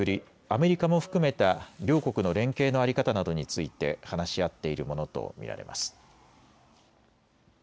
アメリカも含めた両国の連携の在り方などについて話し合っているものと見られます。